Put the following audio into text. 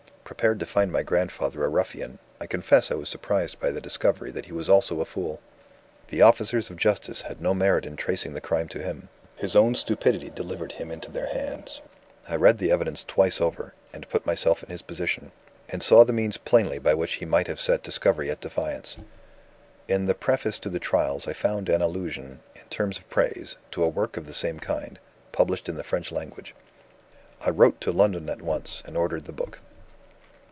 Prepared to find my grandfather a ruffian, I confess I was surprised by the discovery that he was also a fool. The officers of justice had no merit in tracing the crime to him; his own stupidity delivered him into their hands. I read the evidence twice over, and put myself in his position, and saw the means plainly by which he might have set discovery at defiance. "In the Preface to the Trials I found an allusion, in terms of praise, to a work of the same kind, published in the French language. I wrote to London at once, and ordered the book."